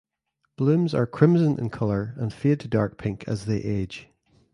Blooms are crimson in colour and fade to dark pink as they age.